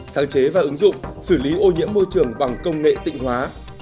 sáng chế và ứng dụng xử lý ô nhiễm môi trường bằng công nghệ tịnh hóa